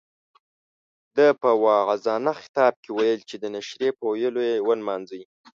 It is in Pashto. ده په واعظانه خطاب کې ویل چې د نشرې په ويلو یې ونمانځئ.